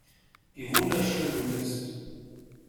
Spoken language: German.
Wie wunderschön du bist.